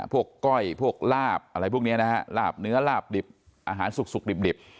ก้อยพวกลาบอะไรพวกนี้นะฮะลาบเนื้อลาบดิบอาหารสุกดิบ